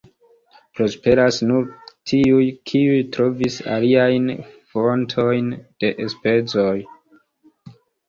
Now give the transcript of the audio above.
Prosperas nur tiuj, kiuj trovis aliajn fontojn de enspezoj.